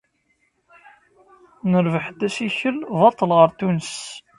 Nerbeḥ-d assikel baṭel ɣer Tunes.